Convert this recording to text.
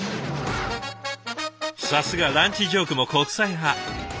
さすがランチジョークも国際派。